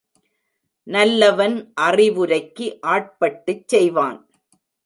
நல்லவன் அறிவுரைக்கு ஆட்பட்டுச் செய்வான்.